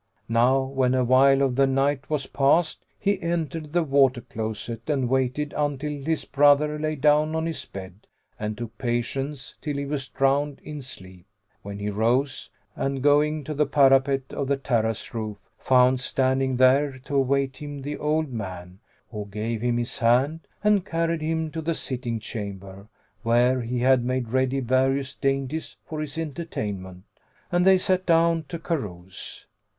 Now when a while of the night was past, he entered the water closet and waited until his brother lay down on his bed and took patience till he was drowned in sleep, when he rose and going to the parapet of the terrace roof, found standing there to await him the old man, who gave him his hand and carried him to the sitting chamber, where he had made ready various dainties for his entertainment, and they sat down to carouse.